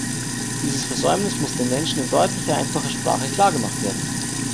Dieses Versäumnis muss den Menschen in deutlicher, einfacher Sprache klargemacht werden.